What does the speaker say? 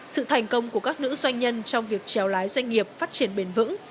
sự thành công của các nữ doanh nhân trong việc trèo lái doanh nghiệp phát triển bền vững